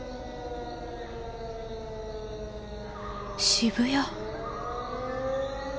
渋谷？